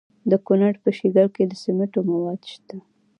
د کونړ په شیګل کې د سمنټو مواد شته.